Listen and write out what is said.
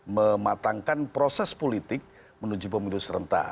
mematangkan proses politik menuju pemilu serentak